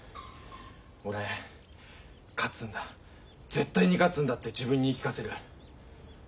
俺「勝つんだ絶対に勝つんだ」って自分に言い聞かせる。